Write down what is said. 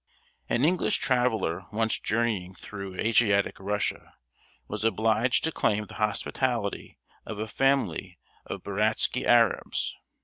An English traveller once journeying through Asiatic Russia was obliged to claim the hospitality of a family of Buratsky Arabs.